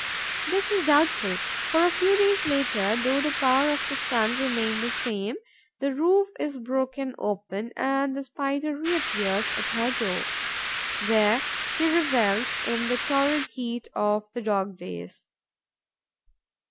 This is doubtful; for, a few days later, though the power of the sun remain the same, the roof is broken open and the Spider reappears at her door, where she revels in the torrid heat of the dog days.